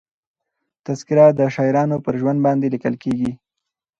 تذکره د شاعرانو پر ژوند باندي لیکل کېږي.